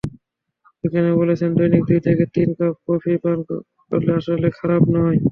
বিজ্ঞানীরা বলছেন, দৈনিক দুই থেকে তিন কাপ কফি পান আসলে খারাপ নয়।